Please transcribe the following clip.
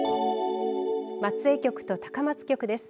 松江局と高松局です。